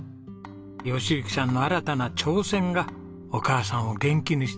喜行さんの新たな挑戦がお母さんを元気にしてます。